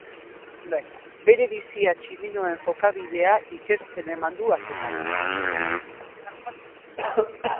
Bere bizia tximinoen jokabidea ikertzen eman du Afrikan.